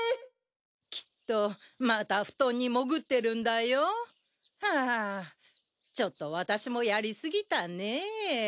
きっとまた布団に潜ってるんだよ。はちょっと私もやりすぎたね。